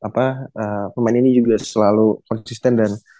pemain ini juga selalu konsisten dan